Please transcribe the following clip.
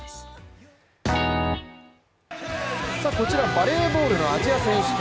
バレーボールのアジア選手権。